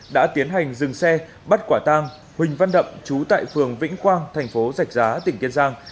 đã tiến hành dừng xe bắt quả tang huỳnh văn đậm trú tại phường vĩnh quang thành phố giạch giá tỉnh kiên giang